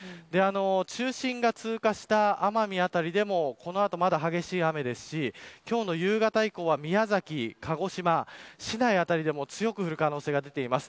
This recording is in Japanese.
中心が通過した奄美辺りでもこの後、まだ激しい雨ですし今日の夕方以降は宮崎、鹿児島市内辺りでも強く降る可能性が出ています。